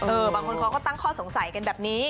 บางคนเขาก็ตั้งข้อสงสัยกันแบบนี้